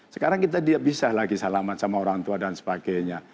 sekarang kita dia bisa lagi salaman sama orang tua dan sebagainya